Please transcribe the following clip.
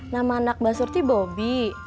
nama anak mbak surti bobi